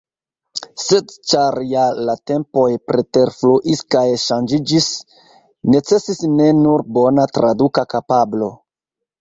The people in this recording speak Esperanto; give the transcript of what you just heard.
Sed ĉar ja la tempoj preterfluis kaj ŝanĝiĝis, necesis ne nur bona traduka kapablo.